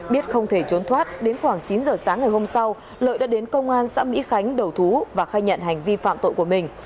biết không thể trốn thoát đến khoảng chín giờ sáng ngày hôm sau lợi đã đến công an xã mỹ khánh đầu thú và khai nhận hành vi phạm tội của mình